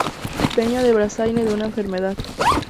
Peña de Bazaine de una enfermedad.